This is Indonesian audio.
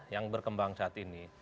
yang berkembang saat ini